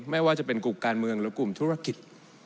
ไม่ว่าจะเป็นกลุ่มการเมืองหรือกลุ่มธุรกิจ